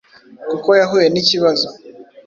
kuko yahuye n’ikibazo